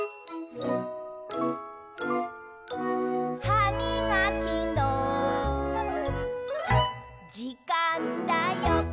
「はみがきのじかんだよ！」